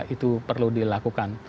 itu perlu dilakukan